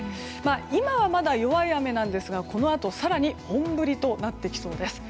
今はまだ弱い雨なんですがこのあと更に本降りとなってきそうです。